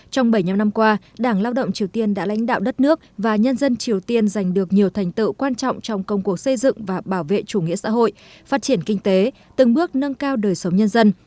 trong bảy mươi năm năm qua đảng lao động triều tiên đã lãnh đạo đất nước và nhân dân triều tiên giành được nhiều thành tựu quan trọng trong công cuộc xây dựng và bảo vệ chủ nghĩa xã hội phát triển kinh tế từng bước nâng cao đời sống nhân dân